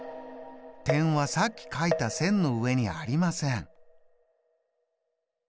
点はさっきかいた線の上にありません。